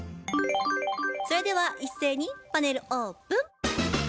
それでは一斉にパネルオープン。